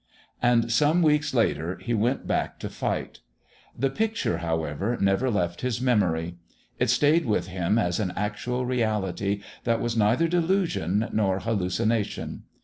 And some weeks later he went back to fight. The picture, however, never left his memory. It stayed with him as an actual reality that was neither delusion nor hallucination.